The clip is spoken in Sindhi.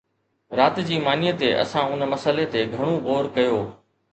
رات جي مانيءَ تي اسان ان مسئلي تي گهڻو غور ڪيو